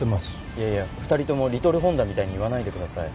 いやいや２人とも「リトルホンダ」みたいに言わないで下さい。